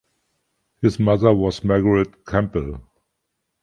His mother was Margaret Campbell.